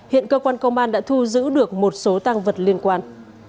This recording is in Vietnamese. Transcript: hiện cơ quan công an đã thu giữ được một số tăng vật liên quan